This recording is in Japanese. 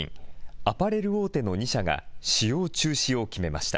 アパレル大手の２社が使用中止を決めました。